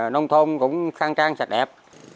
nông thôn cũng sang trang sạch đẹp